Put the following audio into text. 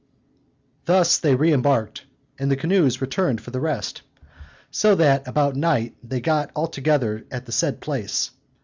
Thus they reëmbarked, and the canoes returned for the rest; so that about night they got altogether at the said place.